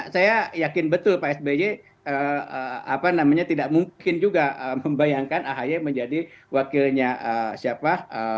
saya yakin betul pak sby tidak mungkin juga membayangkan ahy menjadi wakilnya siapa